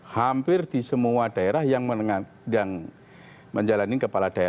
hampir di semua daerah yang menjalani kepala daerah